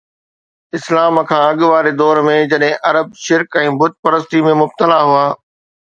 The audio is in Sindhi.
اسلام کان اڳ واري دور ۾، جڏهن عرب شرڪ ۽ بت پرستي ۾ مبتلا هئا